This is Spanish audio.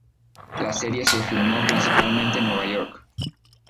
La serie se filmó principalmente en Nueva York.